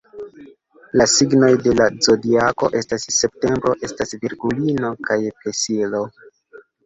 La signoj de la Zodiako en septembro estas Virgulino kaj Pesilo.